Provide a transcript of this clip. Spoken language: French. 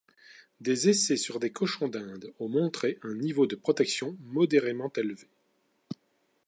Des essais sur des cochons d'inde ont montré un niveau de protection modérément élevé.